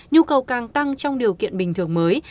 nhu cầu càng tăng trong điều kiện bình thường mới